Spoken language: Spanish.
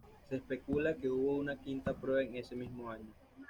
Se especula que hubo una quinta prueba en ese mismo año.